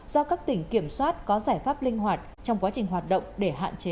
do các tỉnh kiểm soát có giải pháp linh hoạt trong quá trình hoạt động để hạn chế ủn tắc giao thông